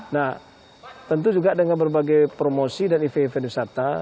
nah tentu juga dengan berbagai promosi dan event event wisata